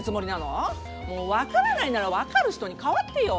もう分からないなら分かる人に代わってよ。